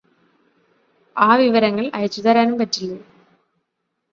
ആ വിവരങ്ങള് അയച്ചുതരാനും പറ്റില്ലേ